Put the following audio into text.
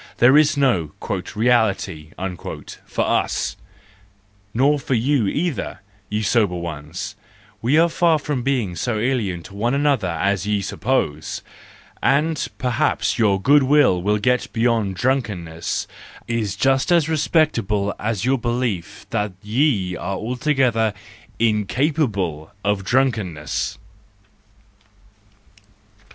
There is no " reality " for us—nor for you either, ye sober ones,—we are far from being so alien to one another as ye suppose, and perhaps our good will to get beyond drunkenness is just as respectable as your belief that ye are altogether incapable of drunkenness.